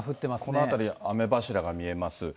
この辺り、雨柱が見えます。